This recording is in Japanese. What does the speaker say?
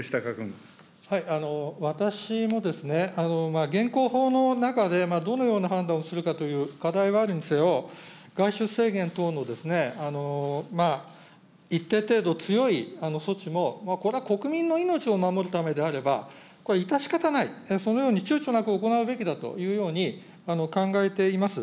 私もですね、現行法の中でどのような判断をするかという課題はあるにせよ、外出制限等の一定程度強い措置も、これは国民の命を守るためであれば、これは致し方ない、そのように、ちゅうちょなく行うべきだというように考えています。